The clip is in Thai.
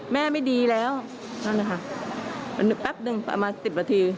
ไม่ดีแล้วนั่นแหละค่ะแป๊บหนึ่งประมาณสิบนาที